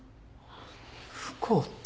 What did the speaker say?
不幸って。